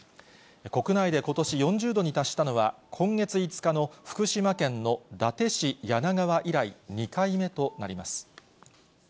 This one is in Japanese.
国内でことし、４０度に達したのは、今月５日の福島県の伊達市梁川以来、２回目となります。